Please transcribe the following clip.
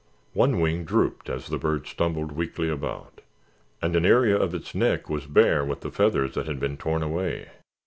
One wing drooped as the bird stumbled weakly about and an area of its neck was bare where the feathers had been torn away.